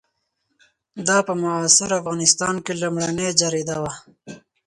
دا په معاصر افغانستان کې لومړنۍ جریده وه.